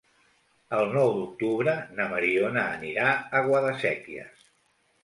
El nou d'octubre na Mariona anirà a Guadasséquies.